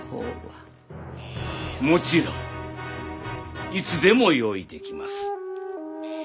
もちろんいつでも用意できます。